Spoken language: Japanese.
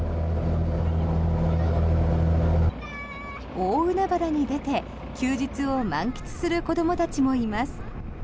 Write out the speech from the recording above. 大海原に出て休日を満喫する子どもたちもいます。